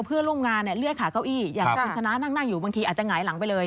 เพื่อนร่วมงานเนี่ยเลื่อยขาเก้าอี้อย่างที่คุณชนะนั่งอยู่บางทีอาจจะหงายหลังไปเลย